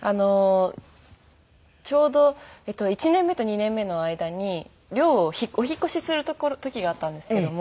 ちょうど１年目と２年目の間に寮をお引っ越しする時があったんですけども。